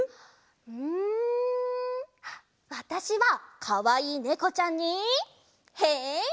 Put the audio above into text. んわたしはかわいいネコちゃんにへんしん！